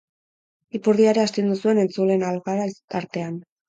Ipurdia ere astindu zuen entzuleen algara artean.